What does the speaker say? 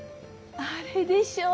あれでしょう？